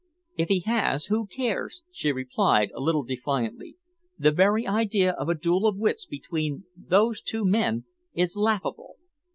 "If he has, who cares?" she replied, a little defiantly. "The very idea of a duel of wits between those two men is laughable."